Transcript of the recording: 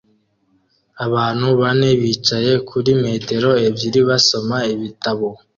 Abantu bane bicaye kuri metero ebyiri basoma ibitabo